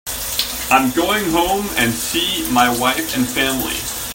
I'm going home and see my wife and family.